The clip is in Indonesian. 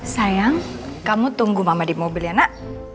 sayang kamu tunggu mama di mobil ya nak